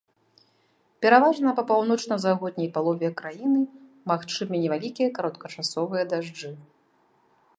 Пераважна па паўночна-заходняй палове краіны магчымыя невялікія кароткачасовыя дажджы.